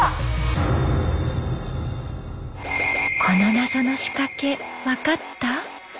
この謎の仕掛け分かった？